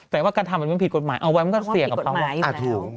แต่ว่าการทำมันผิดกฎหมายเอาไว้มันก็เสี่ยงกับเขาไว้